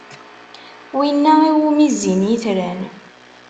Wina iwumi zzin itran.